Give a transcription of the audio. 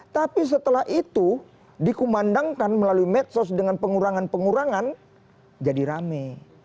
tapi setelah itu dikumandangkan melalui medsos dengan pengurangan pengurangan jadi rame